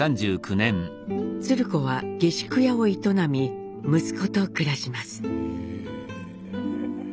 鶴子は下宿屋を営み息子と暮らします。